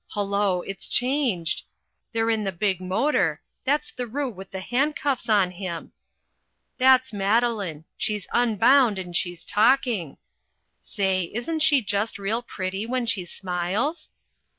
Hullo, it's changed they're in the big motor that's the Roo with the handcuffs on him. That's Madeline she's unbound and she's talking; say, isn't she just real pretty when she smiles?